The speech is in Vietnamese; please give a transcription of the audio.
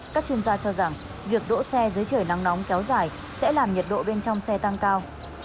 các chuyên gia cho rằng việc đỗ xe dưới trời nắng nóng kéo dài sẽ làm nhiệt độ bên trong xe tăng cao